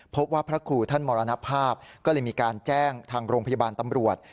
พระครูท่านมรณภาพก็เลยมีการแจ้งทางโรงพยาบาลตำรวจ